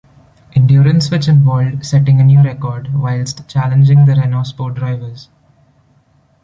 Endurance which involved setting a new record whilst challenging the Renault Sport drivers.